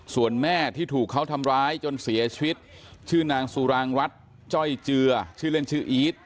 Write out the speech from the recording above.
ส่วนแม่ที่ถูกเขาทำร้ายจนเสียชีวิตชื่อนางสุรางรัฐจ้อยเจือชื่อเล่นชื่ออีท